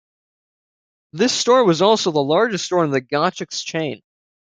This store was also the largest store in the Gottschalks chain.